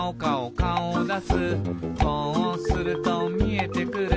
「こうするとみえてくる」